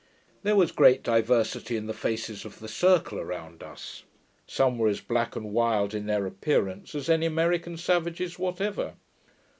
] There was great diversity in the faces of the circle around us: Some were as black and wild in their appearance as any American savages whatever.